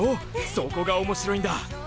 そこが面白いんだ！